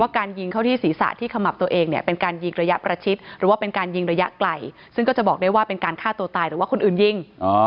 การยิงเข้าที่ศีรษะที่ขมับตัวเองเนี่ยเป็นการยิงระยะประชิดหรือว่าเป็นการยิงระยะไกลซึ่งก็จะบอกได้ว่าเป็นการฆ่าตัวตายหรือว่าคนอื่นยิง